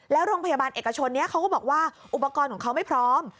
แล้วโรงพยาบาลเอกชนนี้เขาก็บอกว่าอุปกรณ์ของเขาไม่พร้อม